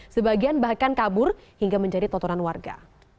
sebagian bahkan kabur hingga menjadi totoran warga